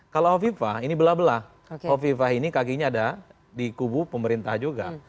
kalau hovifah ini bela bela hovifah ini kakinya ada di kubu pemerintah juga